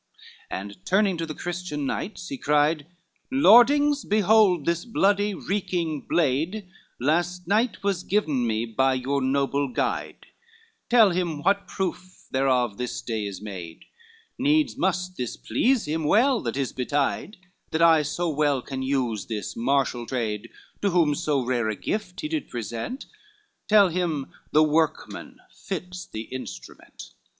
XLVII And turning to the Christian knights, he cried: "Lordlings, behold, this bloody reeking blade Last night was given me by your noble guide, Tell him what proof thereof this day is made, Needs must this please him well that is betide, That I so well can use this martial trade, To whom so rare a gift he did present, Tell him the workman fits the instrument.